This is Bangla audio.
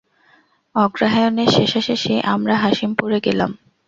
অগ্রহায়ণের শেষাশেষি আমরা হাসিমপুরে গেলাম।